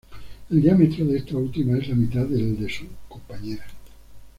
El diámetro de esta última es la mitad que el de su compañera.